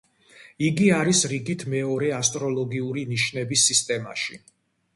იგი არის რიგით მეორე ასტროლოგიური ნიშნების სისტემაში.